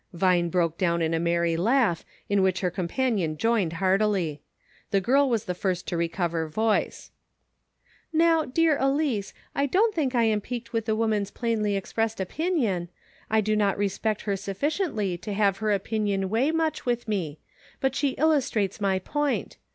" Vine broke down in a merry laugh, in which her companion joined heartily. The girl was the first to recover voice. " Now, dear Elice, don't think I am piqued with 262 "IN HIS NAME." the woman's plainly expressed opinion ; I do not respect her sufficiently to have her opinion weigh much with me, but she illustrates my point.